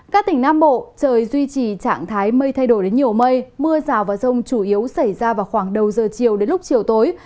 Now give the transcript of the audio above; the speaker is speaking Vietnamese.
các tỉnh nam bộ trời duy trì trạng thái mây thay đổi đến nhiều mây mưa rào và rông chủ yếu xảy ra vào khoảng đầu giờ chiều đến lúc chiều tối